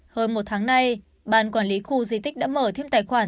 hơn một tháng nay ban quản lý khu di tích đã mở thêm tài khoản